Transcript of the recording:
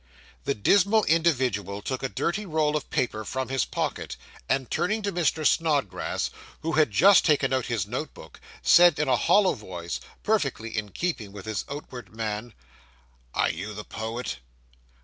The dismal individual took a dirty roll of paper from his pocket, and turning to Mr. Snodgrass, who had just taken out his note book, said in a hollow voice, perfectly in keeping with his outward man 'Are you the poet?